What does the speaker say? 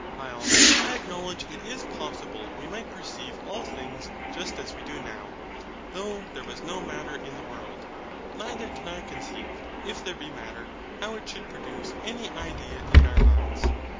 HYL. I acknowledge it is possible we might perceive all things just as we do now, though there was no Matter in the world; neither can I conceive, if there be Matter, how it should produce' any idea in our minds.